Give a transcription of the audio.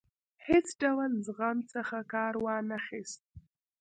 هیڅ ډول زغم څخه کار وانه خیست.